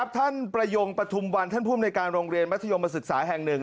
ประยงปฐุมวันท่านภูมิในการโรงเรียนมัธยมศึกษาแห่งหนึ่ง